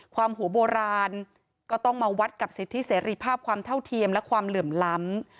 หัวโบราณก็ต้องมาวัดกับสิทธิเสรีภาพความเท่าเทียมและความเหลื่อมล้ำ